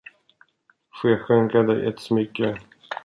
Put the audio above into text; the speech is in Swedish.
Får jag skänka dig ett smycke?